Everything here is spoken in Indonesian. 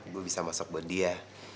gue bisa masuk buat dia